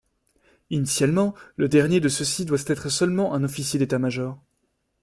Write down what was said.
Initialement, le denier de ceux-ci doit être seulement un officier d'état-major.